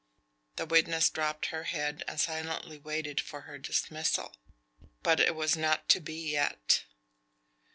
The witness dropped her head and silently waited for her dismissal. But it was not to be yet.